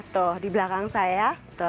tuh di belakang saya